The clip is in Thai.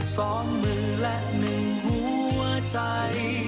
สองมือและหนึ่งสองมือและหนึ่ง